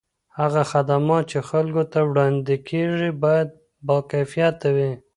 هغه خدمات چي خلګو ته وړاندې کیږي باید با کیفیته وي.